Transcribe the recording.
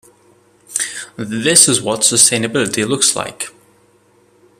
This is what sustainability looks like.